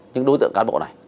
những đối tượng cán bộ này